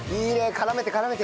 絡めて絡めて。